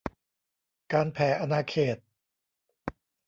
การแผ่อาณาเขต